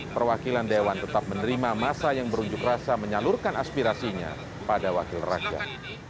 perwakilan dewan tetap menerima masa yang berunjuk rasa menyalurkan aspirasinya pada wakil rakyat